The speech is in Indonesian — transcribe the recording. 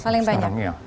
paling besar sekarang